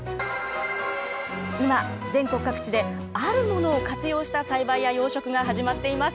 今、全国各地であるものを活用した栽培や養殖が始まっています。